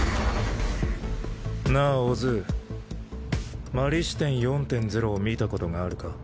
なあ小津摩利支天４．０を見たことがあるか？